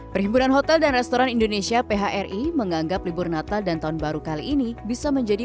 perhimpunan hotel dan restoran indonesia phri menganggap libur natal dan tahun baru kali ini bisa menjadi